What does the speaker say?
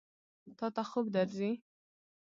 تا ته خوب درځي؟